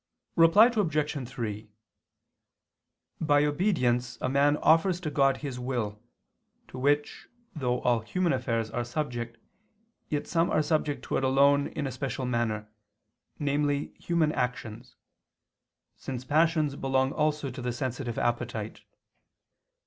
Reply Obj. 3: By obedience a man offers to God his will, to which though all human affairs are subject, yet some are subject to it alone in a special manner, namely human actions, since passions belong also to the sensitive appetite.